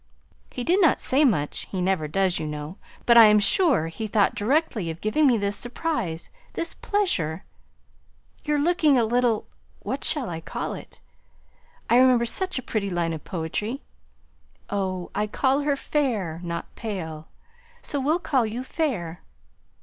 He did not say much he never does, you know; but I am sure he thought directly of giving me this surprise, this pleasure. You're looking a little what shall I call it? I remember such a pretty line of poetry, 'Oh, call her fair, not pale!' so we'll call you fair."